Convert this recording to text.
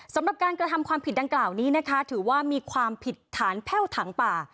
สำหรับการกระทำความผิดดังกล่าวนี้นะคะถือว่ามีความผิดฐานแพ่วถังป่า